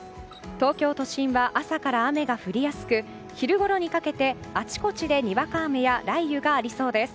東京都心は朝から雨が降りやすく昼ごろにかけて、あちこちでにわか雨や雷雨がありそうです。